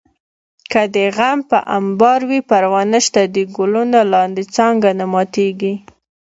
که دې غم په امبار وي پروا نشته د ګلونو لاندې څانګه نه ماتېږي